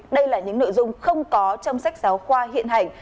đây là những nội dung không có trong sách giáo khoa hiện hành